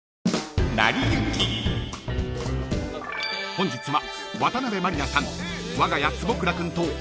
［本日は］